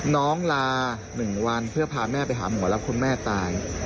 น้องลา๑วันเพื่อพาแม่ไปหาหมอแล้วคุณแม่ตาย